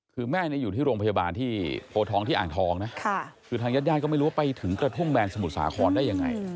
คือแม่อยู่ที่โรงพยาบาลที่โพทองที่อ่างทองนะคือทางญาติญาติก็ไม่รู้ว่าไปถึงกระทุ่มแบนสมุทรสาครได้ยังไง